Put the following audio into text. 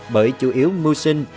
bởi chủ yếu mưu sinh